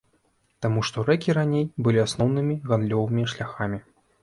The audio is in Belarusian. Таму што рэкі раней былі асноўнымі гандлёвымі шляхамі.